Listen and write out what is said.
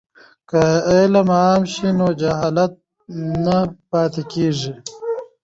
که علم عام شي نو جهالت نه پاتې کیږي.